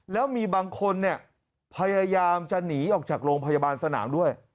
แล้วมีบางคนเนี่ยพยายามจะหนีออกจากโรงพยาบาลสนามด้วย